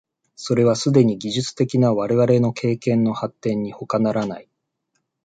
それはすでに技術的な我々の経験の発展にほかならない。